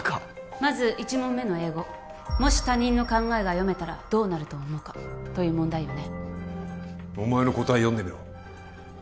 まず１問目の英語「もし他人の考えが読めたらどうなると思うか」という問題よね